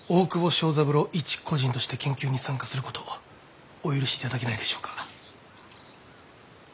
昭三郎一個人として研究に参加することお許しいただけないでしょうか？